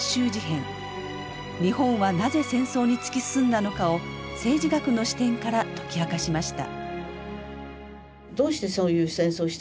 日本はなぜ戦争に突き進んだのかを政治学の視点から解き明かしました。